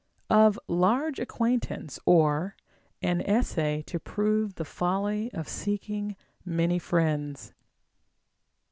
OF LARGE ACQUAINTANCE ; OR, AN ESSAY TO PROVE THE FOLLY OF SEEKING MANY FRIENDS.